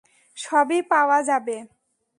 সবই পাওয়া যাবে।